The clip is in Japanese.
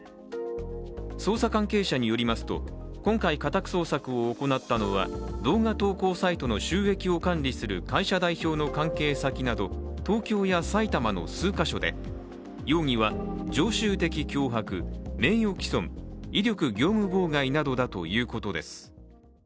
捜査関係者によりますと、今回、家宅捜索を行ったのは動画投稿サイトの収益を管理する会社代表の関係先など東京や埼玉の数か所で容疑は、常習的脅迫、名誉毀損威力業務妨害などだということです。